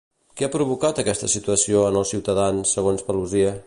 Què ha provocat aquesta situació en els ciutadans, segons Paluzie?